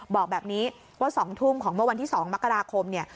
บอกแบบนี้ว่า๒ทุ่มของเมื่อวันที่๒มกราคมเนี่ย